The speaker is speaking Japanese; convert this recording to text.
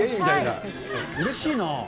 うれしいな。